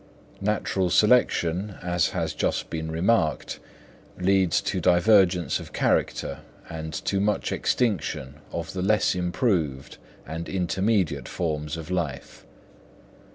Natural selection, as has just been remarked, leads to divergence of character and to much extinction of the less improved and intermediate forms of life.